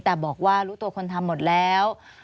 แต่บอกว่ารู้ตัวคนทำหมดแล้ว